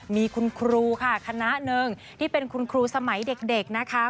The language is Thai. มีคุณครูค่ะคณะหนึ่งที่เป็นคุณครูสมัยเด็กนะคะ